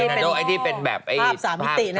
นินทาโดไอ้ที่เป็นแบบรูปภาพสามิตินะ